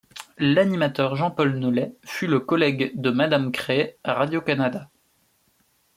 L'animateur Jean-Paul Nolet fut le collègue de Madame Cree à Radio-Canada.